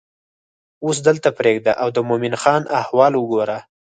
اوس دلته پرېږده او د مومن خان احوال وګوره.